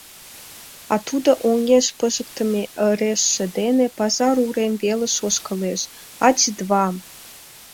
А тудо оҥеш пижыктыме ыресше дене пазар урем велыш ошкылеш: «Ать, два!